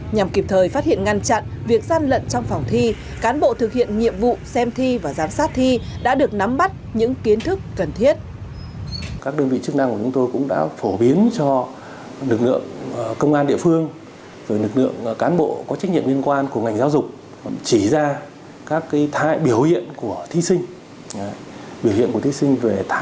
nhằm kịp thời phát hiện ngăn chặn việc gian lận trong phòng thi cán bộ thực hiện nhiệm vụ xem thi và giám sát thi đã được nắm bắt những kiến thức cần thiết